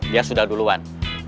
dia sudah duluan